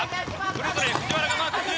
それぞれ藤原がマークする。